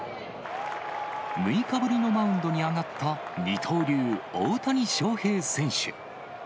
６日ぶりのマウンドに上がった、二刀流、大谷翔平選手。